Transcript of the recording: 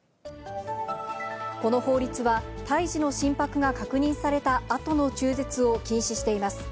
この法律は、胎児の心拍が確認されたあとの中絶を禁止しています。